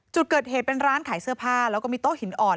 จุดเกิดเหตุเป็นร้านขายเสื้อผ้าแล้วก็มีโต๊ะหินอ่อน